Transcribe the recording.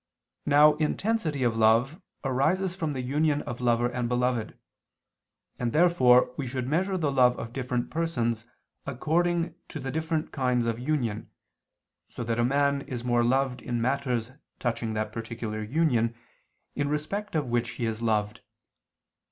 Now intensity of love arises from the union of lover and beloved: and therefore we should measure the love of different persons according to the different kinds of union, so that a man is more loved in matters touching that particular union in respect of which he is loved.